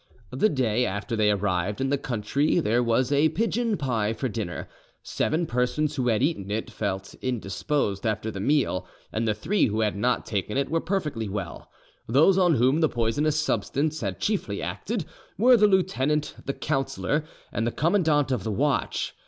The day after they arrived in the country there was a pigeon pie for dinner: seven persons who had eaten it felt indisposed after the meal, and the three who had not taken it were perfectly well. Those on whom the poisonous substance had chiefly acted were the lieutenant, the councillor, and the commandant of the watch.